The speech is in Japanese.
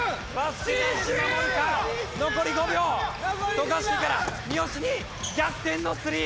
渡嘉敷から三好に逆転のスリー！